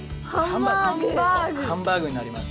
ハンバーグになりますね。